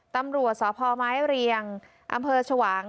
ตำรวจสพไม้เรียงอำเภอชวาง